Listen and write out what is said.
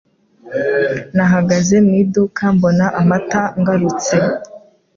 Nahagaze mu iduka mbona amata ngarutse.